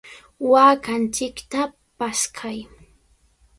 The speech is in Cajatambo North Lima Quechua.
¡Waakanchikta paskay!